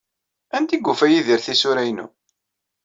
Anda ay yufa Yidir tisura-inu?